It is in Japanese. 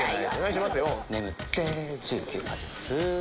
眠って１０・９・８す。